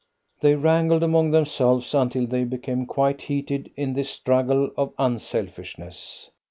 They wrangled among themselves until they became quite heated in this struggle of unselfishness.